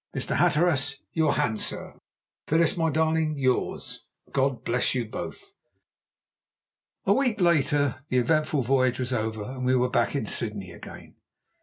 Mr. Hatteras, your hand, sir; Phyllis, my darling, yours! God bless you both." A week later the eventful voyage was over, and we were back in Sydney again.